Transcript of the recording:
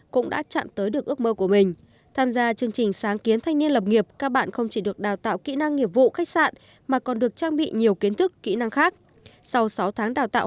cũng đã trở thành một khách sạn hạng sàng